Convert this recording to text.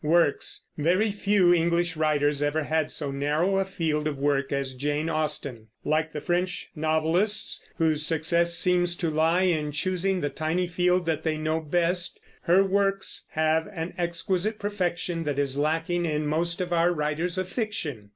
WORKS. Very few English writers ever had so narrow a field of work as Jane Austen. Like the French novelists, whose success seems to lie in choosing the tiny field that they know best, her works have an exquisite perfection that is lacking in most of our writers of fiction.